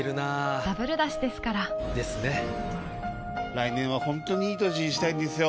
来年は本当にいい年にしたいんですよ。